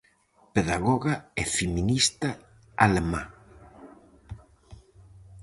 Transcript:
Pedagoga e feminista alemá.